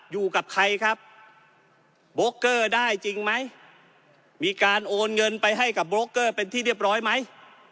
อยู่กับใครครับโบรกเกอร์ได้จริงไหมมีการโอนเงินไปให้กับโบรกเกอร์เป็นที่เรียบร้อยไหม